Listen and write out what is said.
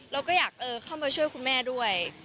เราก็อยากเข้ามาช่วยคุณแม่ด้วย